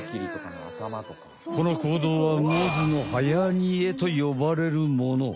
この行動はモズの「はやにえ」とよばれるもの。